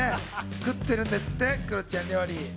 作ってるんですって、クロちゃん、料理。